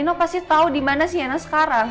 nino pasti tau dimana sienna sekarang